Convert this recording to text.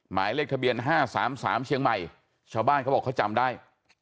หมายเลขทะเบียน๕๓๓เชียงใหม่ชาวบ้านเขาบอกเขาจำได้